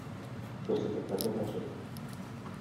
To se také podařilo.